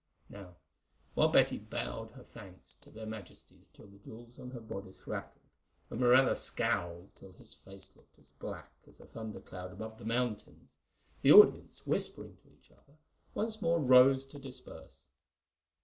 Now, while Betty bowed her thanks to their Majesties till the jewels on her bodice rattled, and Morella scowled till his face looked as black as a thunder cloud above the mountains, the audience, whispering to each other, once more rose to disperse.